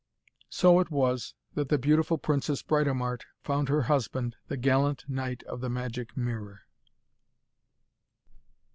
So it was that the beautiful princess Britomart found her husband, the gallant knight of the Magic Mirror.